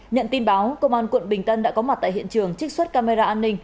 nhận tin báo công an quận bình tân đã có mặt tại hiện trường trích xuất camera an ninh